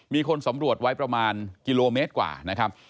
มีคนสำรวจไว้ประมาณกิโลเมตรกว่านะครับ